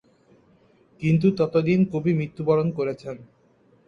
কিন্তু ততদিনে কবি মৃত্যুবরণ করেছেন।